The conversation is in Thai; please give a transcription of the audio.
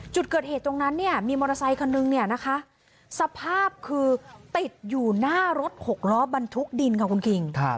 จุดเกิดเหตุตรงนั้นเนี่ยมีมอเตอร์ไซคันนึงเนี่ยนะคะสภาพคือติดอยู่หน้ารถหกล้อบรรทุกดินค่ะคุณคิง